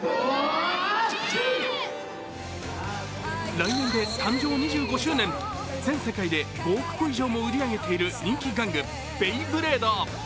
来年で誕生２５周年、全世界で５億個以上も売り上げている人気玩具、ベイブレード。